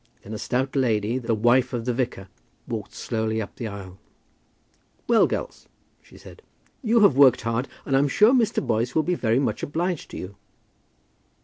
Then a stout lady, the wife of the vicar, walked slowly up the aisle. "Well, girls," she said, "you have worked hard, and I am sure Mr. Boyce will be very much obliged to you."